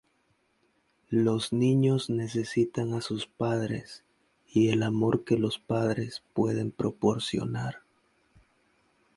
Los niños necesitan a sus padres y el amor que los padres pueden proporcionar".